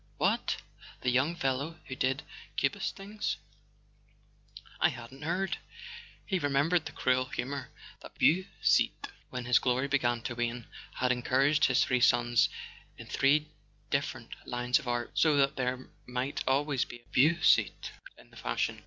What? The young fellow who did Cubist things ? I hadn't heard. . He remembered the cruel rumour that Beausite, when his glory began to wane, had encouraged his three sons in three different lines of art, so that there might always be a Beausite in the fashion.